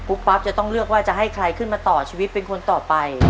ปั๊บจะต้องเลือกว่าจะให้ใครขึ้นมาต่อชีวิตเป็นคนต่อไป